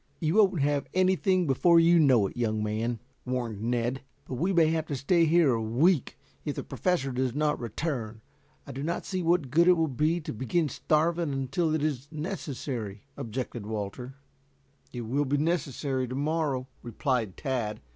"You won't have anything before you know it, young man," warned Ned. "Yes, but we may have to stay here a week, if the Professor does not return. I do not see what good it will be to begin starving us until it is necessary," objected Walter. "It will be necessary to morrow," replied Tad.